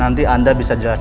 maka aku gak bisa tidur lagi